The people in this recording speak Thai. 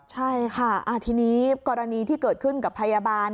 ใช่ค่ะทีนี้กรณีที่เกิดขึ้นกับพยาบาล